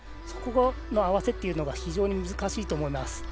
そこの合わせというのが非常に難しいかと思います。